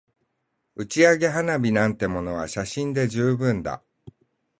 打ち上げ花火なんてものは写真で十分だ